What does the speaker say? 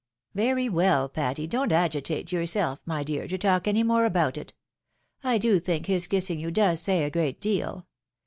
" Very well, Patty, don't agitate yourself, my dear, to talk any more about it ! I do think his kissing you does say a great deal.